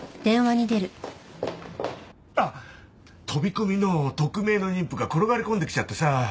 あっ飛び込みの匿名の妊婦が転がり込んできちゃってさ。